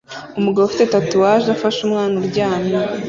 Umugabo ufite tatouage afashe umwana uryamye